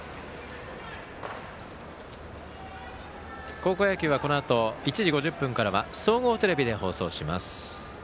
高校野球はこのあと１時５０分からは総合テレビで放送します。